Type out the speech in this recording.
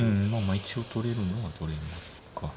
一応取れるのは取れますか。